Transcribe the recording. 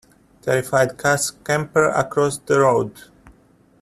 Terrified cats scamper across the road.